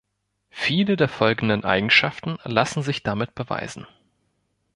Viele der folgenden Eigenschaften lassen sich damit beweisen.